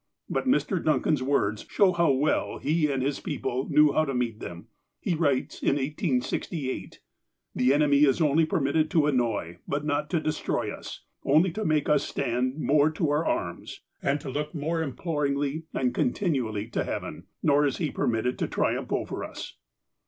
But Mr. Duncan's words show how well he and his people knew how to meet them. He writes in 1868 :" The enemy is only permitted to annoy, but not to destroy, us, only to make us stand more to our arms, and look more im ploringly and continually to heaven. Nor is he permitted to triumph over us."